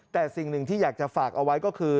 แต่สิ่งหนึ่งที่อยากจะฝากเอาไว้ก็คือ